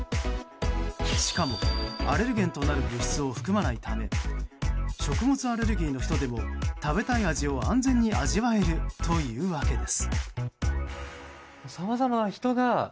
しかも、アレルゲンとなる物質を含まないため食物アレルギーの人でも食べたい味を安全に味わえるというわけです。